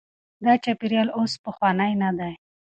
دا چاپیریال اوس پخوانی نه دی.